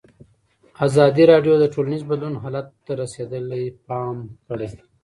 ازادي راډیو د ټولنیز بدلون حالت ته رسېدلي پام کړی.